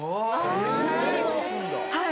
はい。